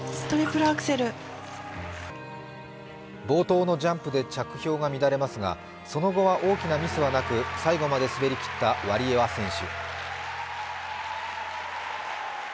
冒頭のジャンプで着氷が乱れますがその後は大きなミスはなく最後まで滑り切ったワリエワ選手。